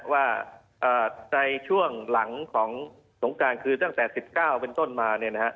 ว่าในช่วงหลังของสงการคือตั้งแต่๑๙เป็นต้นมา